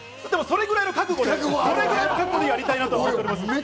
でもそれぐらいの覚悟でやりたいなと思います。